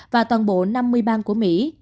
và toàn bộ năm mươi bang của mỹ